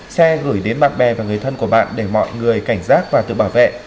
xe gửi đến bạn bè và người thân của bạn để mọi người cảnh giác và tự bảo vệ